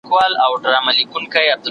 ښه ذهنیت خوښي نه دروي.